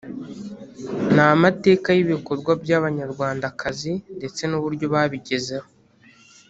ni amateka y’ibikorwa by’Abanyarwandakazi ndetse n’uburyo babigezeho